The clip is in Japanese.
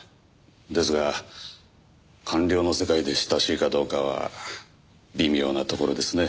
ですが官僚の世界で親しいかどうかは微妙なところですね。